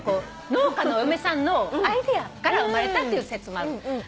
農家のお嫁さんのアイデアから生まれたって説もあるの。